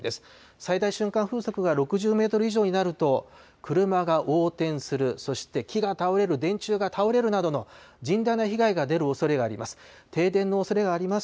最大瞬間風速が６０メートル以上になると、車が横転する、そして木が倒れる、電柱が倒れるなどの甚大な被害が出るおそれがあります。